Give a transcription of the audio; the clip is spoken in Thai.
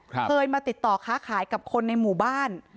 เคยมาติดต่อค้าขายกับคนในหมู่บ้าน